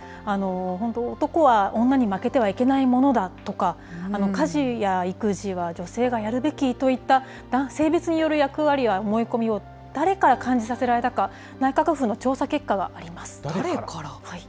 本当、男は女に負けてはいけないものだとか、家事や育児は女性がやるべきといった、性別による役割や思い込みを誰から感じさせられたか、内閣府の調誰から？